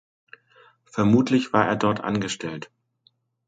Vermutlich war er dort angestellt.